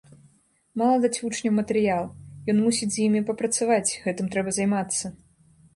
Мала даць вучням матэрыял, ён мусіць з ім папрацаваць, гэтым трэба займацца.